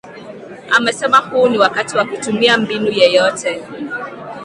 amesema huu ni wakti wa kutumia mbinu yeyote